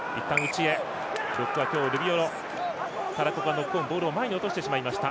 ノックオン、ボールを前に落としてしまいました。